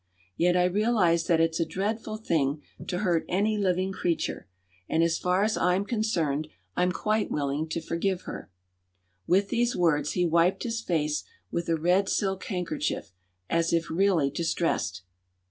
Yet I realize that it's a dreadful thing to hurt any living creature, and as far as I'm concerned I'm quite willing to forgive her." With these words he wiped his face with a red silk handkerchief, as if really distressed.